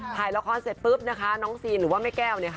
ถ่ายละครเสร็จปุ๊บนะคะน้องซีนหรือว่าแม่แก้วเนี่ยค่ะ